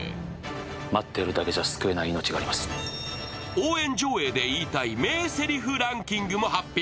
応援上映で言いたい名せりふランキングも発表。